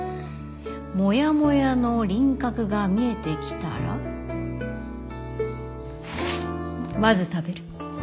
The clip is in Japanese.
モヤモヤの輪郭が見えてきたらまず食べる。